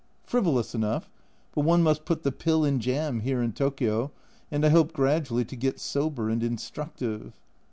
Frivolous enough but one must put the pill in jam here in Tokio, and I hope gradually to get sober and instructive.